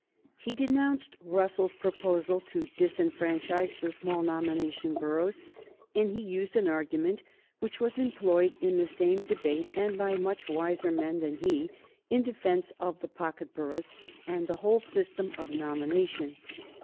He denounced Russell's proposal to disfranchise the small nomination boroughs, and he used an argument which was employed in the same debate and by much wiser men than he in defence of the pocket boroughs and the whole system of nomination.